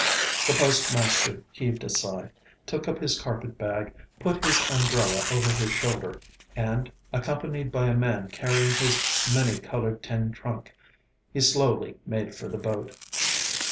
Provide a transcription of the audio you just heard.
The postmaster heaved a sigh, took up his carpet bag, put his umbrella over his shoulder, and, accompanied by a man carrying his many coloured tin trunk, he slowly made for the boat.